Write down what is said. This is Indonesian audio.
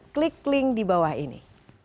klik link di bawah ini